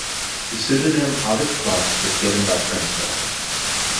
The pseudonym August Klotz was given by Prinzhorn.